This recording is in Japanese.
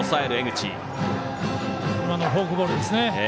今のフォークボールですね。